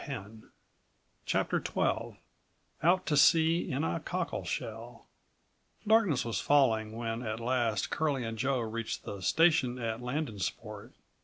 126 CHAPTER XIIOUT TO SEA IN A COCKLESHELL Darkness was falling when at last Curlie and Joe reached the station at Landensport.